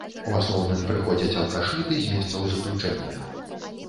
У асноўным прыходзяць алкашы ды з месцаў заключэння.